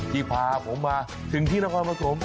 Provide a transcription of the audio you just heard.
ที่พาผมมาถึงที่นาฬงรวมของผม